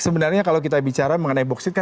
sebenarnya kalau kita bicara mengenai boksit kan